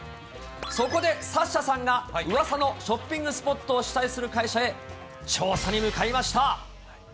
そこでサッシャさんがうわさのショッピングスポットを主催する会社へ調査に向かいました。